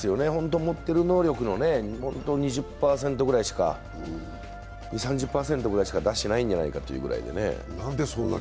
持ってる能力の２０３０％ぐらいしか出してないんじゃないかというぐらいですね。